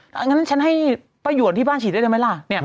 อย่างนั้นฉันให้ป้ายวนที่บ้านฉีดได้ได้ไหมล่ะ